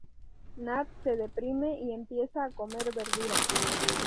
Nat se deprime y empieza a comer verduras.